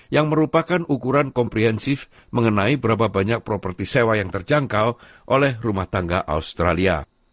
yang merupakan ukuran komprehensif mengenai berapa banyak properti sewa yang terjangkau oleh rumah tangga australia